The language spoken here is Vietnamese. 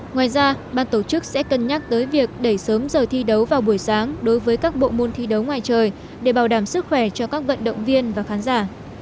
ngoài ra ban tổ chức sẽ cân nhắc tới việc đẩy sớm giờ thi đấu vào buổi sáng đối với các bộ môn thi đấu ngoài trời để bảo đảm sức khỏe cho các vận động viên và khán giả